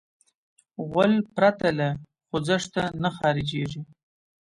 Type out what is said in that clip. غول پرته له خوځښته نه خارجېږي.